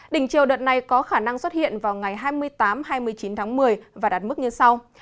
đỉnh chiều đợt này có khả năng xuất hiện vào ngày hai mươi tám hai mươi chín tháng một mươi và đạt mức như sau